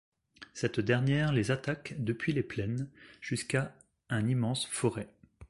Cette dernière les attaque depuis les plaines, jusqu'à un immense forêt.